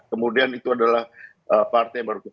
kemudian itu adalah partai yang baru